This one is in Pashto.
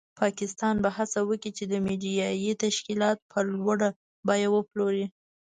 پاکستان به هڅه وکړي چې میډیایي تشکیلات په لوړه بیه وپلوري.